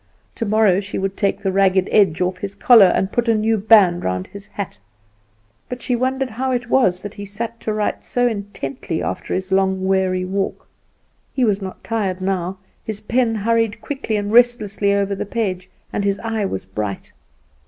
Tomorrow she would take the ragged edge off his collar, and put a new band round his hat. She did not interrupt him, but she wondered how it was that he sat to write so intently after his long weary walk. He was not tired now; his pen hurried quickly and restlessly over the paper, and his eye was bright.